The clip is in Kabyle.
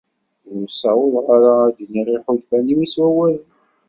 Ur ssawḍeɣ ara ad d-iniɣ iḥulfan-iw s wawalen.